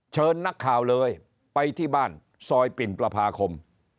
เชิญนักข่าวเลยไปที่บ้านซอยปิ่นประพาคม